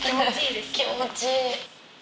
気持ちいい。